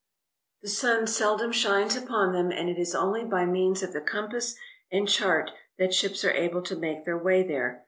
The sun seldom shines upon them, and it is only by means of the compass and chart that ships are able to make their way there.